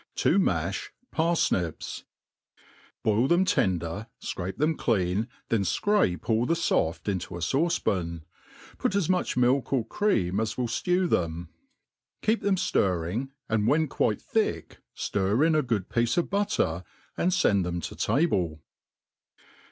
Tp majh Parfnip^. BOIL them',tcnder, fcrape them clean, then fcrape all the Toft into a fauce pan, put ds much milk or cream as will dew them. Keep them ftirring, and when quite thick, ftir in a good piece of butter, and fend them to table.